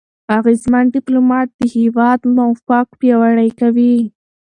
اغېزمن ډيپلوماټ د هېواد موقف پیاوړی کوي.